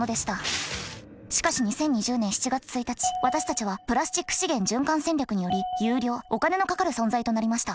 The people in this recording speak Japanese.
しかし２０２０年７月１日私たちはプラスチック資源循環戦略により有料お金のかかる存在となりました。